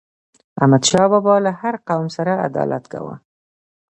احمد شاه بابا له هر قوم سره عدالت کاوه.